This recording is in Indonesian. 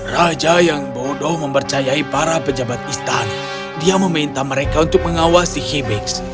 raja yang bodoh mempercayai para pejabat istana dia meminta mereka untuk mengawasi hibis